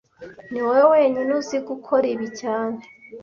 Niwowe wenyine uzi gukora ibi cyane